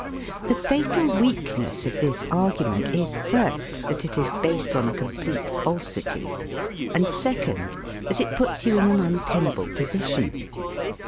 The fatal weakness of this argument is, first, that it is based on a complete falsity; and second, that it puts you in an untenable position.